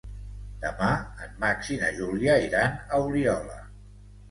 Demà en Max i na Júlia iran a Oliola.